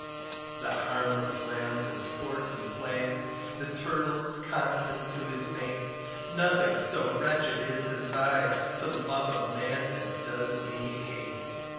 The harmless lamb that sports and plays, The turtle's constant to his mate, Nothing so wretched is as I, To love a man that does me hate.